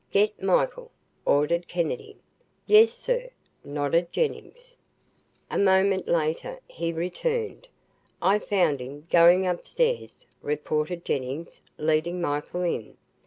"Get Michael," ordered Kennedy. "Yes, sir," nodded Jennings. A moment later he returned. "I found him, going upstairs," reported Jennings, leading Michael in.